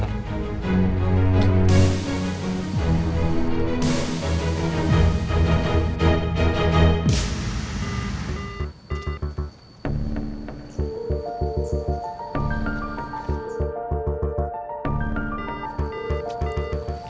pangeran udah selesai